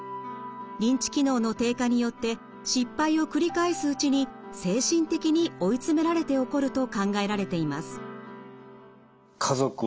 認知機能の低下によって失敗を繰り返すうちに精神的に追い詰められて起こると考えられています。